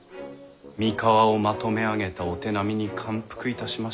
三河をまとめ上げたお手並みに感服いたしました。